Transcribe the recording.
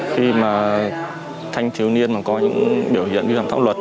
khi mà thanh thiếu niên mà có những biểu hiện vi phạm pháp luật